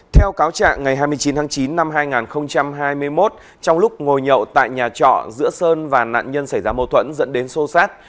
theo cáo trạng ngày hai mươi chín tháng chín năm hai nghìn hai mươi một trong lúc ngồi nhậu tại nhà trọ giữa sơn và nạn nhân xảy ra mâu thuẫn dẫn đến sô sát